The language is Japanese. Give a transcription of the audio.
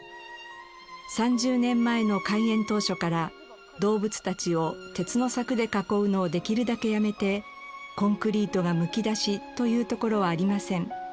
３０年前の開園当初から動物たちを鉄の柵で囲うのをできるだけやめてコンクリートがむき出しという所はありません。